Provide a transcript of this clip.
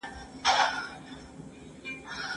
کارل مارکس او ماکس وبر د حل لاري لټولې.